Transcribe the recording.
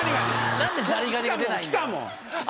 なんで「ザリガニ」が出ないんだよ。